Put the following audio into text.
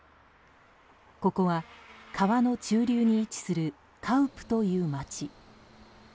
ここは川の中流に位置するカウプという街。